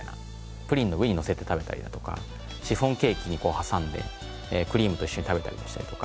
プリンの上にのせて食べたりだとかシフォンケーキにこう挟んでクリームと一緒に食べたりしたりとか。